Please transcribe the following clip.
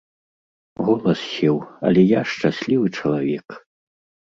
Голас сеў, але я шчаслівы чалавек!